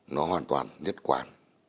nó hoàn toàn nhất quản